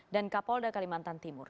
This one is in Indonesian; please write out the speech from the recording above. dan kapolda kalimantan timur